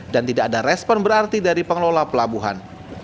tidak ada respon berarti dari pengelola pelabuhan